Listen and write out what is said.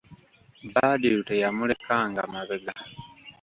Badru teyamulekanga mabega.